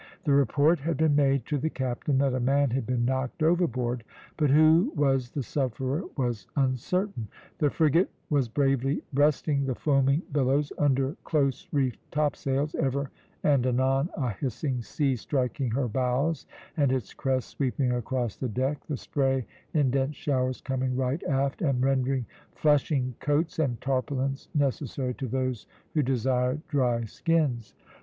The report had been made to the captain that a man had been knocked overboard, but who was the sufferer was uncertain. The frigate was bravely breasting the foaming billows under close reefed topsails, ever and anon a hissing sea striking her bows and its crest sweeping across the deck, the spray in dense showers coming right aft, and rendering flushing coats and tarpaulins necessary to those who desired dry skins.